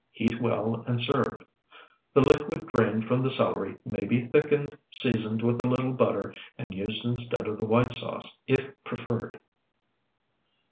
Heat well, and serve. The liquid drained from the celery may be thickened, seasoned with a little butter, and used instead of the white sauce if preferred.